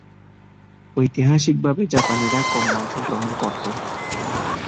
ঐতিহাসিকভাবে জাপানীরা কম মাংস গ্রহণ করতো।